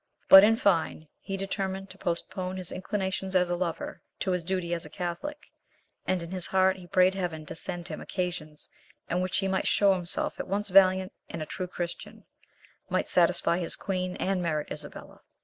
But, in fine, he determined to postpone his inclinations as a lover to his duty as a catholic, and in his heart he prayed heaven to send him occasions in which he might show himself at once valiant and a true Christian,—might satisfy his queen and merit Isabella.